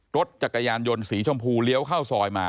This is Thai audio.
รถจักรยานยนต์สีชมพูเลี้ยวเข้าซอยมา